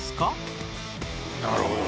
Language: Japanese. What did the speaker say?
なるほど。